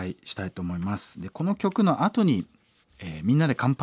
この曲のあとに「みんなで乾杯」。